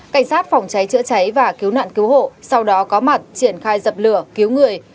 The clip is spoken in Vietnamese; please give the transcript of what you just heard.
cảnh sát phòng cháy chữa cháy và cứu nạn cứu hộ sau đó có mặt triển khai dập lửa cứu người